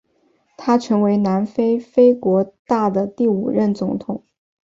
他成为南非非国大的第五任总统。